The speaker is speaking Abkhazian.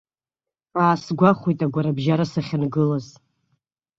Аасгәахәит агәарабжьара сахьангылаз.